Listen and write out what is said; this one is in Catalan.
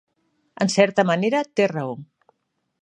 En certa manera, té raó.